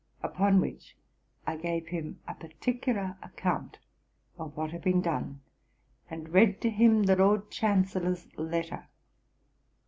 Upon which I gave him a particular account of what had been done, and read to him the Lord Chancellor's letter.